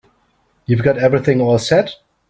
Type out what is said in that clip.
You've got everything all set?